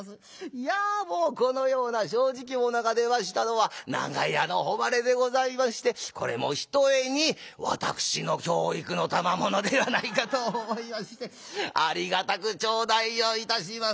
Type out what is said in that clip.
いやもうこのような正直者が出ましたのは長屋の誉れでございましてこれもひとえに私の教育のたまものではないかと思いましてありがたく頂戴をいたします」。